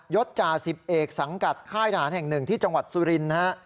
ศจ่าสิบเอกสังกัดค่ายทหารแห่งหนึ่งที่จังหวัดสุรินทร์นะฮะ